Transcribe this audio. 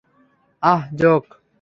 আহ, জোঁক।